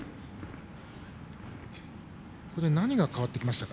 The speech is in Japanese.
何が変わってきましたか。